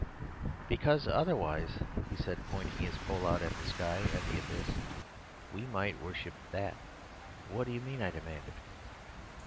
"'Because otherwise,' he said, pointing his pole out at the sky and the abyss, 'we might worship that.' "'What do you mean?' I demanded.